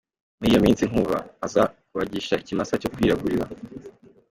Muri iyo minsi, Nkuba aza kubagisha ikimasa cyo kwiraguriza.